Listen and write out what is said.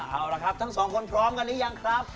เอาละครับทั้งสองคนพร้อมกันหรือยังครับ